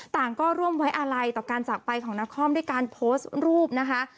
ต่างก็ร่วมไว้อาลัยต่อการจากไปของนครด้วยการโพสต์รูปนะคะ